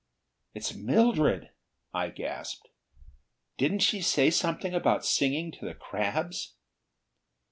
"It's Mildred!" I gasped. "Didn't she say something about singing to the crabs?"